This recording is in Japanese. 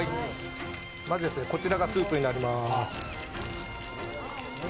まずこちらがスープになります。